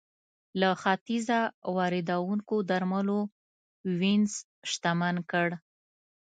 له ختیځه واردېدونکو درملو وینز شتمن کړ.